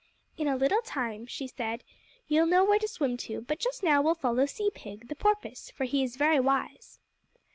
"In a little time," she said, "you'll know where to swim to, but just now we'll follow Sea Pig, the Porpoise, for he is very wise."